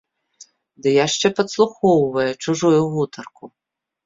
Ды яшчэ падслухоўвае чужую гутарку!